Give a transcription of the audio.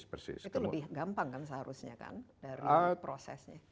itu lebih gampang kan seharusnya kan dari prosesnya